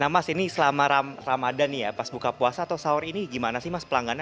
nah mas ini selama ramadan nih ya pas buka puasa atau sahur ini gimana sih mas pelanggannya